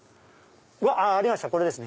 あっありましたこれですね。